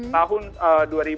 tahun dua ribu dua puluh ini